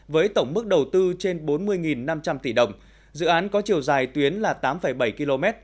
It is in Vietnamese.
với tổng mức đầu tư trên bốn mươi năm trăm linh tỷ đồng dự án có chiều dài tuyến là tám bảy km